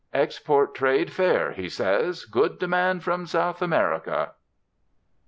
"Export trade fair," he says; "good demand from South America."